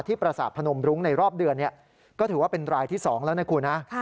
ประสาทพนมรุ้งในรอบเดือนก็ถือว่าเป็นรายที่๒แล้วนะคุณนะ